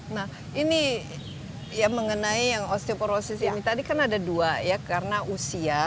nah ini yang mengenai yang osteoporosis ini tadi kan ada dua ya karena usia